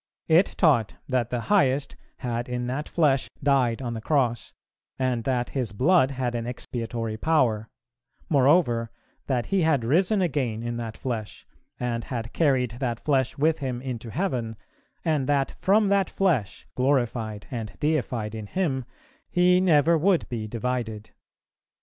It taught that the Highest had in that flesh died on the Cross, and that His blood had an expiatory power; moreover, that He had risen again in that flesh, and had carried that flesh with Him into heaven, and that from that flesh, glorified and deified in Him, He never would be divided.